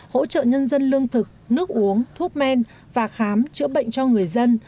hỗ trợ nhân dân lương thực nước uống thuốc men và khám chữa bệnh cho người dân